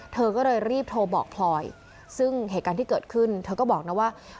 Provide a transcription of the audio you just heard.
เธอก็เลยรีบโทรบอกพลอยซึ่งเหตุการณ์ที่เกิดขึ้นเธอก็บอกนะว่า